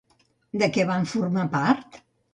De què van formar part?